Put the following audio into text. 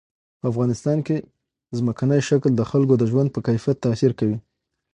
په افغانستان کې ځمکنی شکل د خلکو د ژوند په کیفیت تاثیر کوي.